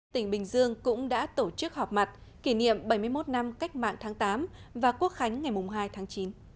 tỉnh bình dương cũng đã tổ chức họp mặt kỷ niệm bảy mươi một năm cách mạng tháng tám và quốc khánh ngày hai tháng chín